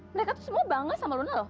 mereka tuh semua bangga sama luna loh